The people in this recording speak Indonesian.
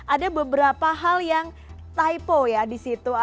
ada beberapa hal yang typo ya di situ